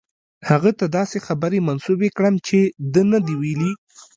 هغه ته داسې خبرې منسوبې کړم چې ده نه دي ویلي.